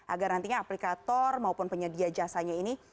agar nantinya aplikator maupun penyedia jasanya ini